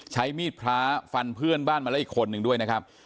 ใช้มีดพระฟันเพื่อนบ้านมาแล้วอีกคนนึงด้วยนะครับ